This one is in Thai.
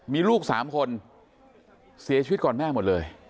มีลูก๓คนเสียชีวิตก่อนแม่หมดเลย